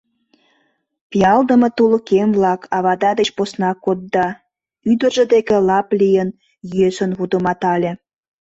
— Пиалдыме тулыкем-влак, авада деч посна кодда, — ӱдыржӧ деке лап лийын, йӧсын вудыматале